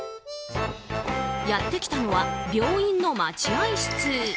やって来たのは、病院の待合室。